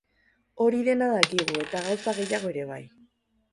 Hori dena dakigu, eta gauza gehiago ere bai.